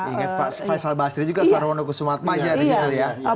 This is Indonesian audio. ingat pak faisal basri juga sarwono kusumat paja